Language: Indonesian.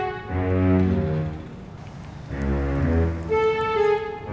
terima kasih bos